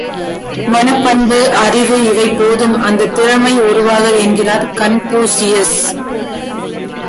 மனப்பண்பு, அறிவு இவை போதும் அந்த திறமை உருவாக என்கிறார் கன்பூசியஸ்.